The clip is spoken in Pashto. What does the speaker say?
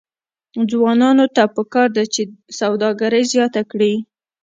ځوانانو ته پکار ده چې، سوداګري زیاته کړي.